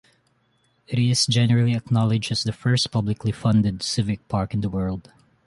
It is generally acknowledged as the first publicly funded civic park in the world.